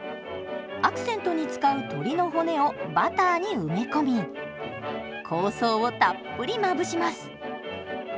アクセントに使う鶏の骨をバターに埋め込み香草をたっぷりまぶします。